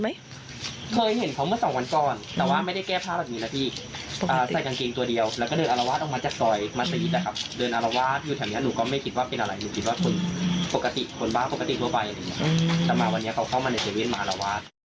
แต่มาวันนี้เขาเข้ามาในเว่นมาอารวาส